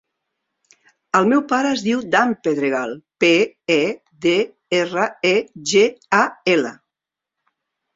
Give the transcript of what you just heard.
El meu pare es diu Dan Pedregal: pe, e, de, erra, e, ge, a, ela.